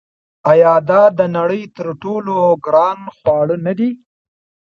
آیا دا د نړۍ تر ټولو ګران خواړه نه دي؟